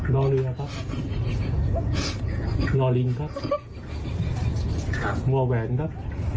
นอนเรือครับอ๋อลอลิงครับครับหัวแหวนครับ